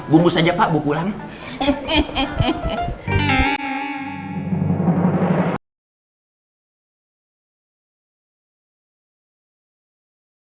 bumbus aja pak bukulang